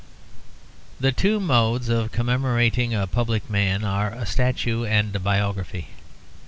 The two modes of commemorating a public man are a statue and a biography.